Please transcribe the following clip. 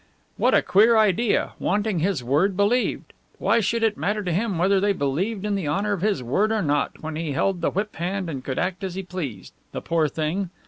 What a queer idea wanting his word believed! Why should it matter to him whether they believed in the honour of his word or not, when he held the whip hand and could act as he pleased? The poor thing!